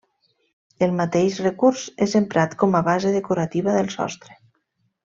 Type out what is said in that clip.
El mateix recurs és emprat com a base decorativa del sostre.